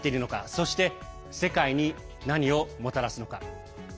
そして、世界に何をもたらすのか。